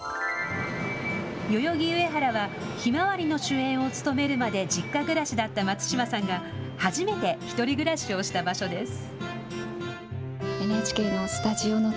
代々木上原はひまわりの主演を務めるまで実家暮らしだった松嶋さんが初めて１人暮らしをした場所です。